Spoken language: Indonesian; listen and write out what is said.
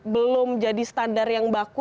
belum jadi standar yang baku